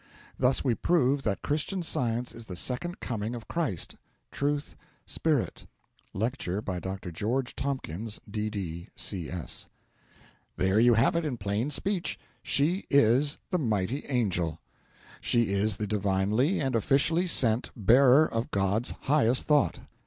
Thus we prove that Christian Science is the second coming of Christ Truth Spirit.' Lecture by Dr. George Tomkins, D.D., C.S. There you have it in plain speech. She is the mighty angel; she is the divinely and officially sent bearer of God's highest thought.